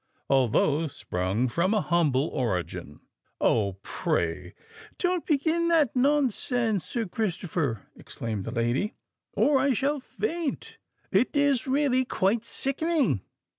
Although sprung from a humble origin——" "Oh! pray don't begin that nonsense, Sir Christopher!" exclaimed the lady; "or I shall faint. It is really quite sickening."